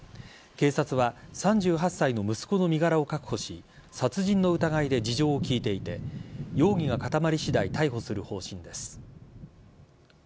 警察は３８歳の息子の身柄を確保し殺人の疑いで事情を聴いていて容疑が固まり次第逮捕する方針です。